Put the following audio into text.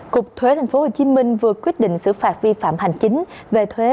cục thuế tp hcm vừa quyết định xử phạt vi phạm hành chính về thuế